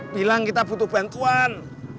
bilang kita butuh bantuan